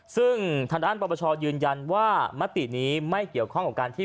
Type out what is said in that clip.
ซึ่งทางด้านปรปชยืนยันว่ามตินี้ไม่เกี่ยวข้องกับการที่